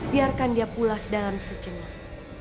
biarkan dia pulas dalam sejenak